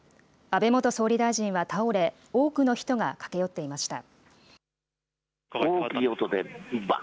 安倍元総理大臣は倒れ、多くの人が駆け寄っていました。